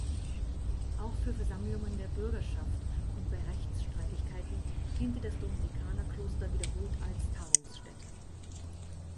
Auch für Versammlungen der Bürgerschaft und bei Rechtsstreitigkeiten diente das Dominikanerkloster wiederholt als Tagungsstätte.